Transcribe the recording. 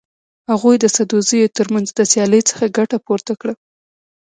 هغوی د سدوزیو تر منځ د سیالۍ څخه ګټه پورته کړه.